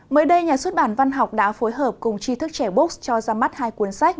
mới đây nhà xuất bản văn học đã phối hợp cùng tri thức trẻ books cho ra mắt hai cuốn sách